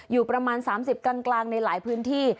อยู่ประมาณ๓๐กลางในหลายพื้นที่